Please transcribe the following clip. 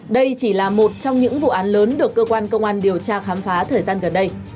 đây chỉ là một trong những vụ án lớn được cơ quan công an điều tra khám phá thời gian gần đây